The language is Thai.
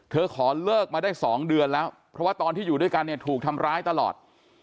ขอเลิกมาได้๒เดือนแล้วเพราะว่าตอนที่อยู่ด้วยกันเนี่ยถูกทำร้ายตลอด